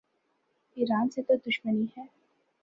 ایران سے تو دشمنی ہے۔